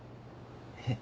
えっ？